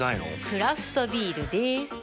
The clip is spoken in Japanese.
クラフトビールでーす。